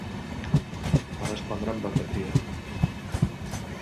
Va respondre amb apatia.